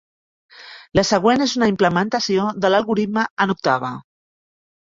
La següent és una implementació de l'algoritme en Octave.